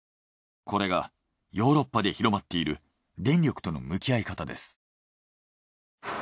これがヨーロッパで広まっている電力との向き合い方です。